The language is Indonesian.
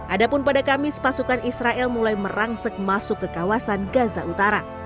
adapun pada kamis pasukan israel mulai merangsek masuk ke kawasan gaza utara